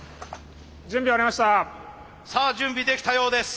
さあ準備できたようです。